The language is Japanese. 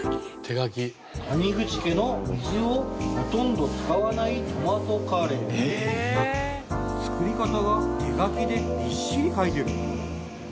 「谷口家の水をほとんど使わないトマトカレー」作り方が手書きでびっしり書いてる。